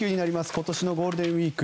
今年のゴールデンウィーク。